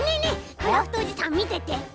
クラフトおじさんみてて。